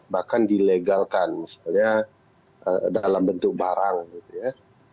bahkan dilegalkan misalnya dalam bentuk barang gitu ya